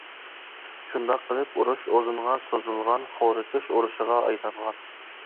شۇنداق قىلىپ، ئۇرۇش ئۇزۇنغا سوزۇلغان خورىتىش ئۇرۇشىغا ئايلانغان.